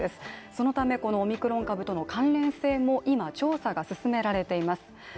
そのためこのオミクロン株との関連性も今、調査が進められています。